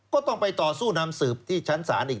ก็ต้องไปต่อสู้นำสืบที่ชั้นศาลอีก